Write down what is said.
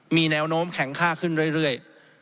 มีแนวโน้มแข็งค่าขึ้นเรื่อย